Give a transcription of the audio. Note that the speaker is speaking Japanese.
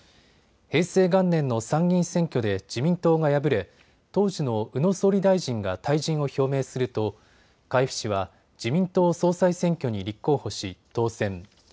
平成元年の参議院選挙で自民党が敗れ、当時の宇野総理大臣が退陣を表明すると海部氏は自民党総裁選挙に立候補し当選。